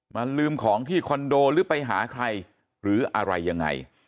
ลืมของที่คอนโดหรือไปหาใครหรืออะไรยังไง